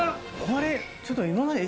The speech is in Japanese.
これちょっと。